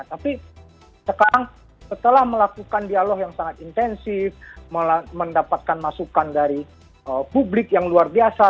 tapi sekarang setelah melakukan dialog yang sangat intensif mendapatkan masukan dari publik yang luar biasa